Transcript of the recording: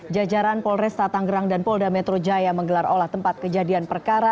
jajaran polresta tanggerang dan polda metro jaya menggelar olah tempat kejadian perkara